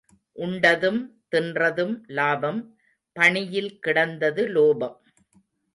உண்டதும் தின்றதும் லாபம் பணியில் கிடந்தது லோபம்.